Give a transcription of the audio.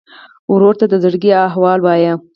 ورور ته د زړګي احوال وایې.